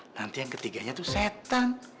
nanti yang ketiganya itu setan